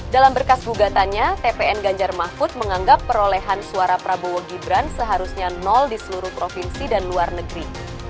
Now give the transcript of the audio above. dalam berkas gugatannya tpn ganjar mahfud menganggap perolehan suara prabowo gibran seharusnya nol di seluruh provinsi dan luar negeri